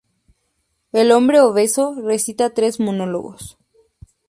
El hombre obeso recita tres monólogos.